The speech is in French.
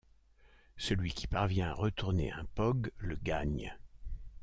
Celui qui parvient à retourner un pog le gagne.